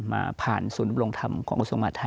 มาผ่านสุลลงธรรมของ